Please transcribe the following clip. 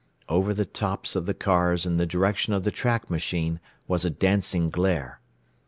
Over the tops of the cars in the direction of the track machine was a dancing glare.